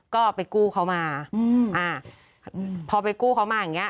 ก็ไปกู้เขามาพอไปกู้เขามาอย่างนี้